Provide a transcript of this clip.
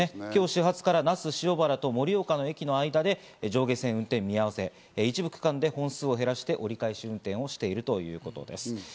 今日始発から那須塩原と盛岡の駅の間で上下線運転見合わせ、一部区間で本数を減らして折り返し運転をしているということです。